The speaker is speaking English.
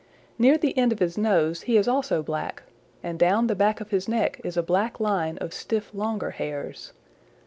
Near the end of his nose he is also black, and down the back of his neck is a black line of stiff longer hairs.